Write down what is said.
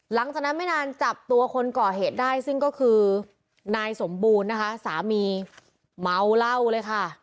หลังจากนั้นไม่นานจับตัวคนก่อเหตุได้ซึ่งก็คือนายสมบูรณ์นะคะสามีเมาเหล้าเลยค่ะ